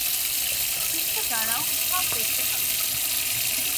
একটু দাঁড়াও, সব দেখতে পাবে।